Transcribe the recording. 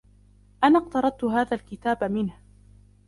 أنا إقترضت هذا الكتاب منه.